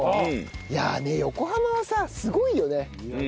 いやあ横浜はさすごいよね。